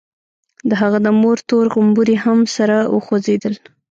د هغه د مور تور غومبري هم سره وخوځېدل.